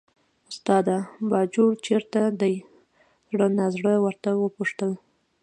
استاده! باجوړ چېرته دی، زړه نازړه ورته وپوښتل.